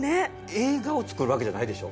映画を作るわけじゃないでしょ？